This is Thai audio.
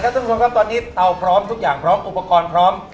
ตอนนี้เตาพร้อมทุกอย่างพร้อมอุปกรณ์พร้อม